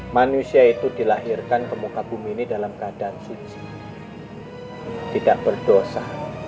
manusia itu dilahirkan ke muka bumi ini dalam keadaan suci tidak berdosa